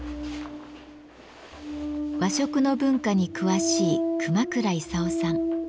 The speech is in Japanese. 和食の文化に詳しい熊倉功夫さん。